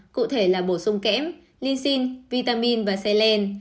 cụ thể là bổ sung kém linsin vitamin và selen